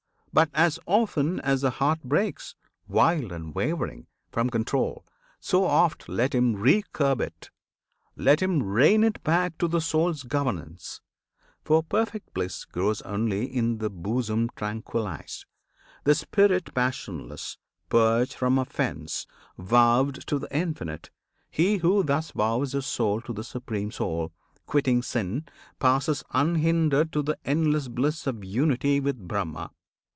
But, as often as the heart Breaks wild and wavering from control, so oft Let him re curb it, let him rein it back To the soul's governance; for perfect bliss Grows only in the bosom tranquillised, The spirit passionless, purged from offence, Vowed to the Infinite. He who thus vows His soul to the Supreme Soul, quitting sin, Passes unhindered to the endless bliss Of unity with Brahma.